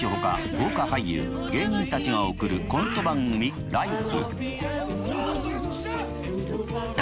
豪華俳優芸人たちが送るコント番組「ＬＩＦＥ！」。